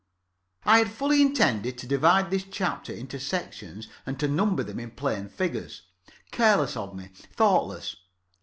(I had fully intended to divide this chapter into sections and to number them in plain figures. Careless of me. Thoughtless.